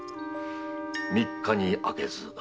三日にあけず。